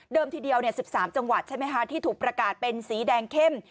ทีเดียว๑๓จังหวัดใช่ไหมคะที่ถูกประกาศเป็นสีแดงเข้ม